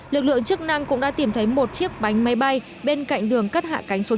lực lượng chức năng cũng đã tìm thấy một chiếc bánh máy bay bên cạnh đường cất hạ cánh số chín